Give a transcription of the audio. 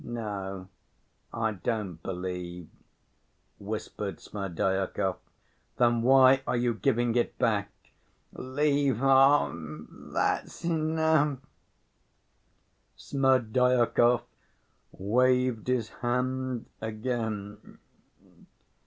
"No, I don't believe," whispered Smerdyakov. "Then why are you giving it back?" "Leave off ... that's enough!" Smerdyakov waved his hand again.